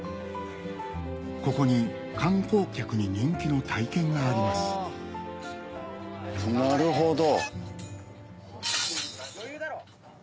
ここに観光客に人気の体験がありますなるほど。